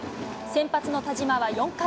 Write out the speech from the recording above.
先発の田嶋は４回。